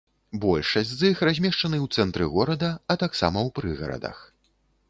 Большасць з іх размешчаны ў цэнтры горада, а таксама ў прыгарадах.